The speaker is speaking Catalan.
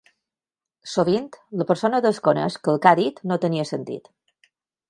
Sovint, la persona desconeix que el que ha dit no tenia sentit.